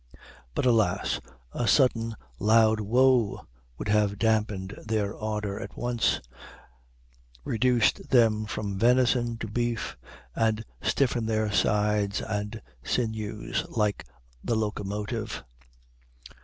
But, alas! a sudden loud Whoa! would have damped their ardor at once, reduced them from venison to beef, and stiffened their sides and sinews like the locomotive.